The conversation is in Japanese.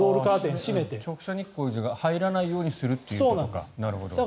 直射日光が入らないようにするっていうことか。